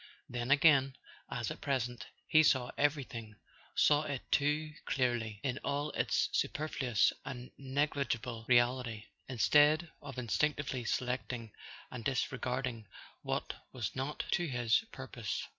Then again, as at present, he saw everything, saw it too clearly, in all its superfluous and negligible reality, instead of instinctively selecting, and disregarding what was not to his purpose.